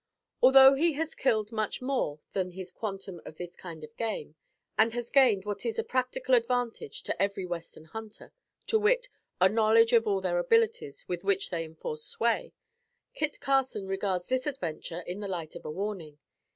Although he has killed much more than his quantum of this kind of game, and has gained what is a practical advantage to every western hunter, to wit: a knowledge of all their abilities with which they enforce sway, Kit Carson regards this adventure in the light of a warning.